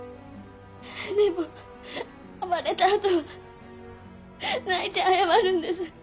でも暴れた後は泣いて謝るんです。